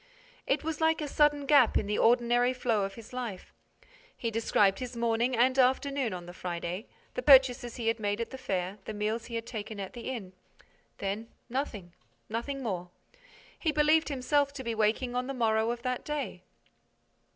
It was like a sudden gap in the ordinary flow of his life. He described his morning and afternoon on the Friday, the purchases he had made at the fair, the meals he had taken at the inn. Then—nothing—nothing more. He believed himself to be waking on the morrow of that day.